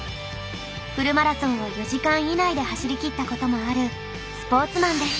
フルマラソンを４時間以内で走りきったこともあるスポーツマンです。